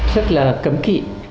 rất là cẩm trọng